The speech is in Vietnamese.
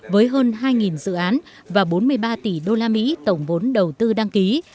với hơn hai dự án và bốn mươi ba tỷ usd tổng vốn đầu tư đăng ký